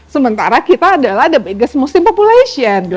sementara kita adalah the begas muslim population